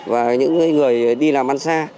và những người đi làm ăn xa